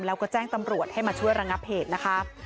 แล้วก็แจ้งตำรวจให้มาช่วยระงับเหตุนะคะ